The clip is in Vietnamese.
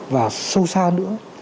và sâu xa nữa